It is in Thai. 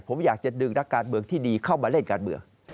ผมอยากจะดึงนักการเมืองที่ดีเข้ามาเล่นการเมือง